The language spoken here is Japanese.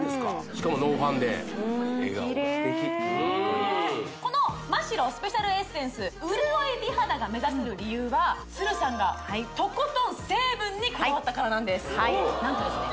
しかもノーファンデキレイこのマ・シロスペシャルエッセンス潤い美肌が目指せる理由はさんがとことん成分にこだわったからなんです何とですね